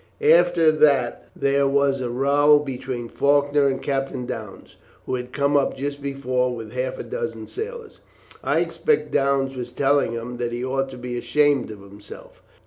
"After that there was a row between Faulkner and Captain Downes, who had come up just before with half a dozen sailors. I expect Downes was telling him that he ought to be ashamed of himself.